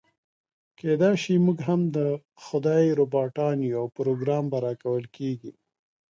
کيداشي موږ هم د خدای روباټان يو او پروګرام به راکول کېږي.